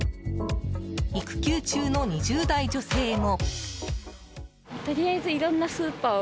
育休中の２０代女性も。